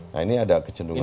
nah ini ada kecenderungan